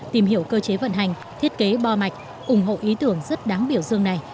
tìm hiểu cơ chế vận hành thiết kế bo mạch ủng hộ ý tưởng rất đáng biểu dương này